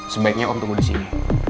sebaiknya om tumbuh di sini